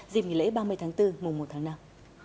dịp nghỉ lễ ba mươi tháng bốn mùa một tháng năm